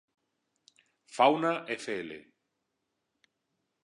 Fauna Fl.